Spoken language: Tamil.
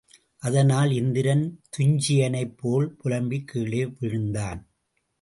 அதனால் இந்திரன் துஞ்சியனைப் போல் புலம்பிக் கீழே விழுந்தான்.